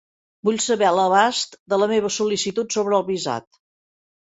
Vull saber l'abast de la meva sol·licitut sobre el visat.